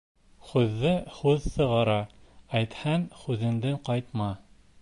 Һүҙҙе һүҙ сығара, әйтһәң, һүҙеңдән ҡайтма.